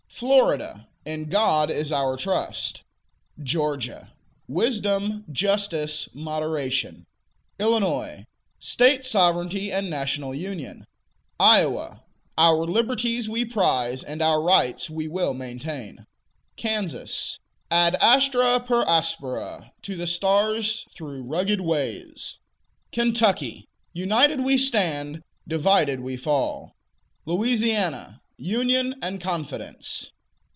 Florida In God is Our trust. Georgia Wisdom, Justice, Moderation. Illinois State Sovereignty and National Union. Iowa Our liberties we prize, and our rights we will maintain. Kansas Ad astra per aspera: to the stars through rugged ways. Kentucky United we stand, divided we fall. Louisiana Union and Confidence.